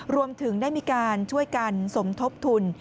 รวมถึงได้มีการช่วยกันสมทบทุน